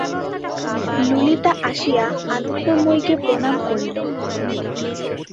ললিতা আসিয়া আনন্দময়ীকে প্রণাম করিল।